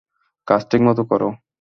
কাজ ঠিকমতো করো।